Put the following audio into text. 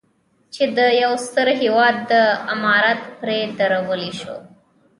چې د یو ستر هېواد عمارت پرې درولی شو.